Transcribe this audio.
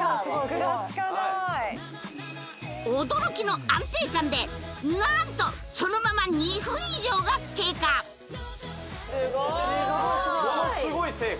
ふらつかない驚きの安定感で何とそのまま２分以上が経過・すごいものすごい成果